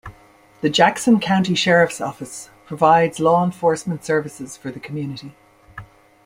The Jackson County Sheriff's Office provides law enforcement services for the community.